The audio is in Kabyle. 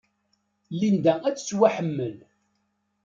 Linda ad tettwaḥemmel.